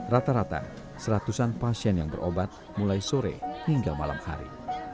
rata rata seratusan pasien yang berobat mulai sore hingga malam hari